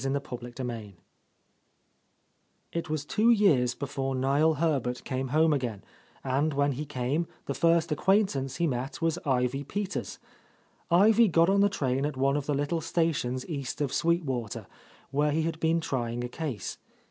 — lOO— PART TWO f I T was two years before Niel Herbert came home again, and when he came the first ac quaintance he met was Ivy Peters. Ivy got on the train at one of the little stations east of Sweet Water, where he had been trying a case.